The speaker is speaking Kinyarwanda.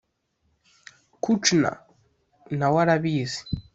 kouchner nawe arabizi.